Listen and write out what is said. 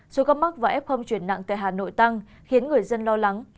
số có mắc và ép không chuyển nặng tại hà nội tăng khiến người dân lo lắng